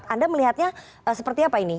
anda melihatnya seperti apa ini